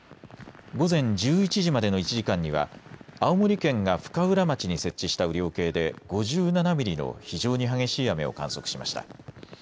午前１１時までの１時間には青森県が深浦町に設置した雨量計で５７ミリの非常に激しい雨を観測しました。